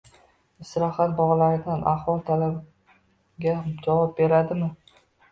Istirohat bog‘laridagi ahvol talabga javob beradimi?